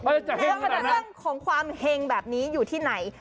เรื่องของความเฮงแบบนี้อยู่ที่ไหน